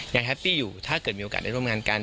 แฮปปี้อยู่ถ้าเกิดมีโอกาสได้ร่วมงานกัน